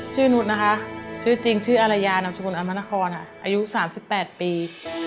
ชื่อนุฏนะคะชื่อจริงชื่ออรัยานับชมนธรรมนครอายุ๓๘ปี